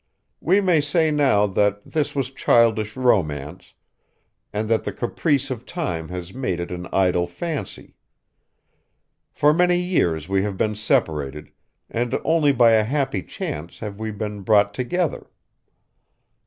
We may say now that this was childish romance, and that the caprice of time has made it an idle fancy. For many years we have been separated, and only by a happy chance have we been brought together.